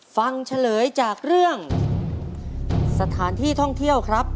เฉลยจากเรื่องสถานที่ท่องเที่ยวครับ